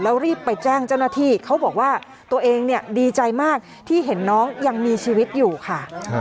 แล้วรีบไปแจ้งเจ้าหน้าที่เขาบอกว่าตัวเองเนี่ยดีใจมากที่เห็นน้องยังมีชีวิตอยู่ค่ะ